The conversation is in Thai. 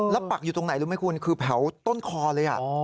แล้วปักอยู่ตรงไหนรู้ไหมคุณคือแถวต้นคอเลย